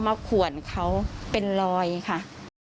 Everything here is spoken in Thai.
ขวนเขาเป็นรอยค่ะ